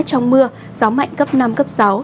trong mưa gió mạnh cấp năm cấp sáu